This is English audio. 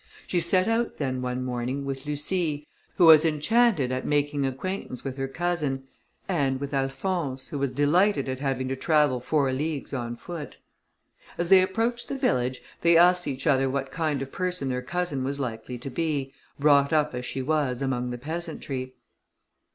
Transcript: She set out then, one morning, with Lucie, who was enchanted at making acquaintance with her cousin, and with Alphonse, who was delighted at having to travel four leagues on foot. As they approached the village, they asked each other what kind of person their cousin was likely to be, brought up as she was among the peasantry.